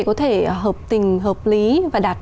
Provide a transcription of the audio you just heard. có thể hợp tình hợp lý và đạt